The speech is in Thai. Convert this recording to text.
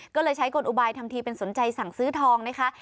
ก็เลยใช้กลอุบายทำทีเป็นสนใจสั่งซื้อทองนะคะ